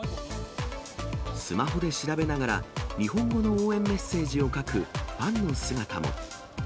スマホで調べながら、日本語の応援メッセージを書くファンの姿も。